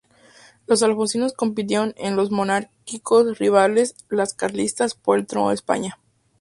Los alfonsinos compitieron con los monárquicos rivales, los carlistas, por el trono de España.